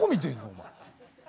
お前。